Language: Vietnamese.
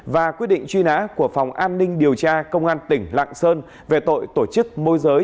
và quyết định truy nã của phòng an ninh điều tra công an tỉnh lạng sơn về tội tổ chức môi giới